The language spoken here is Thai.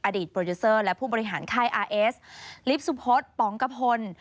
โปรดิวเซอร์และผู้บริหารค่ายอาร์เอสลิฟต์สุพศป๋องกะพล